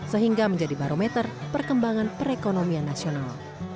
sehingga menjadi barometer perkembangan perekonomian nasional